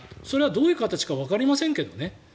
それはどういう形かわかりませんけどね。